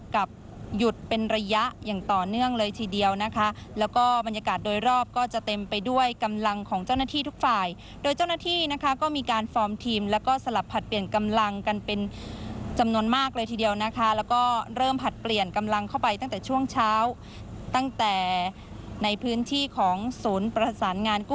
กับหยุดเป็นระยะอย่างต่อเนื่องเลยทีเดียวนะคะแล้วก็บรรยากาศโดยรอบก็จะเต็มไปด้วยกำลังของเจ้าหน้าที่ทุกฝ่ายโดยเจ้าหน้าที่นะคะก็มีการฟอร์มทีมแล้วก็สลับผลัดเปลี่ยนกำลังกันเป็นจำนวนมากเลยทีเดียวนะคะแล้วก็เริ่มผลัดเปลี่ยนกำลังเข้าไปตั้งแต่ช่วงเช้าตั้งแต่ในพื้นที่ของศูนย์ประสานงานก